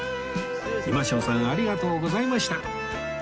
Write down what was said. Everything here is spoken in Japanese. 今荘さんありがとうございました！